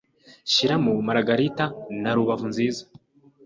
Shyiramo maragarita na rubavu nziza